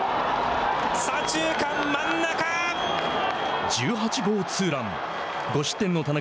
左中間真ん中。